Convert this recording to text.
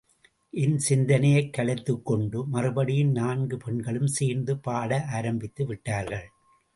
என் சிந்தனையைக் கலைத்துக் கொண்டு மறுபடியும் நான்கு பெண்களும் சேர்ந்து பாட ஆரம்பித்து விட்டார்கள்.